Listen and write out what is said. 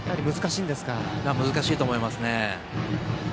難しいと思いますね。